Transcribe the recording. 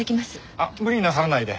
あっ無理なさらないで。